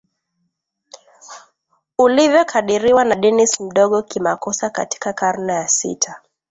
ulivyokadiriwa na Denis Mdogo kimakosa katika karne ya sita